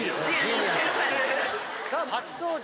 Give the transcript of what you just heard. さあ初登場